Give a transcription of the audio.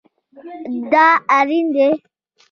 دا اړین دی